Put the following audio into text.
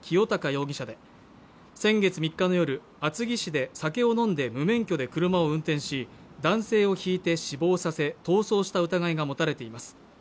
容疑者で先月３日の夜、厚木市で酒を飲んで無免許で車を運転し男性をひいて死亡させ逃走した疑いが持たれています